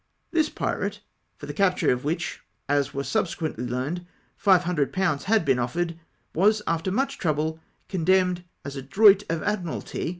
This pirate, for the capture of which, as was subse quently learned, 500/. had been offered, was after much trouble condemned as a droit of Admiralty!